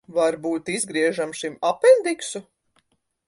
Varbūt izgriežam šim apendiksu?